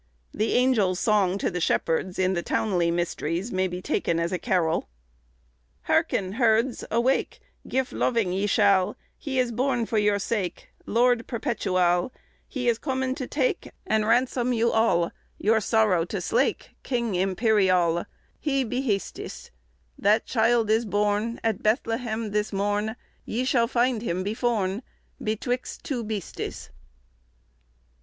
The angels' song to the Shepherds, in the Towneley mysteries, may be taken as a carol. "Herkyn, hyrdes, awake, gyf lovyng ye shalle, He is borne for youre sake, Lorde perpetualle; He is comen to take and rawnson you alle, Youre sorowe to slake, Kyng imperialle, He behestys; That chyld is borne At Bethlehem this morne, Ye shalle fynde Hym beforne Betwix two bestys.